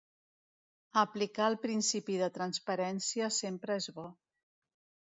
“Aplicar el principi de transparència sempre és bo”.